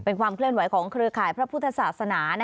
เป็นความเคลื่อนไหวของเครือข่ายพระพุทธศาสนา